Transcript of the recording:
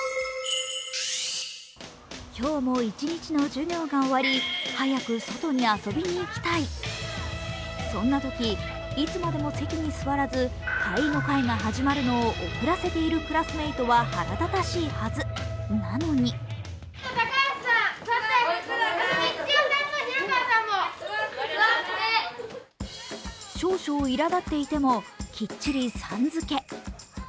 今日も一日の授業が終わり早く外に遊びに行きたい、そんなときいつまでも席に座らず、帰りの会が始まるのを遅らせているクラスメートは腹立たしい、なのに少々いらだっていてもきっちりさん付け。